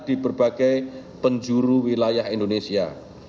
di berbagai penjuru wilayah indonesia